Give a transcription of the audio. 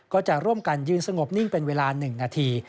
ก็จะร่วมกันยืนสงบนิ่งเป็นเวลา๑นาที